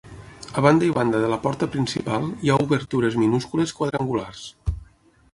A banda i banda de la porta principal hi ha obertures minúscules quadrangulars.